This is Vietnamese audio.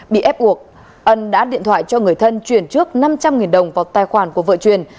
bị ép buộc ân đã điện thoại cho người thân chuyển trước năm trăm linh đồng vào tài khoản của vợ truyền